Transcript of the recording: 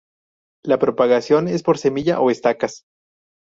La propagación es por semilla o estacas.